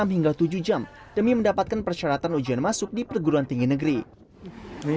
enam hingga tujuh jam demi mendapatkan persyaratan ujian masuk di perguruan tinggi negeri ini